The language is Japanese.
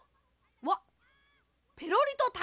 わっペロリとたいらげあ！